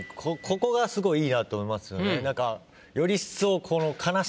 ここがすごいいいなと思いますよね何か。